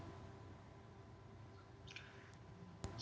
salah satunya saksi kunci adalah korban ini pc ini